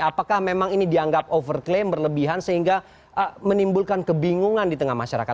apakah memang ini dianggap overklaim berlebihan sehingga menimbulkan kebingungan di tengah masyarakat